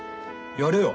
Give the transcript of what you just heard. やれよ。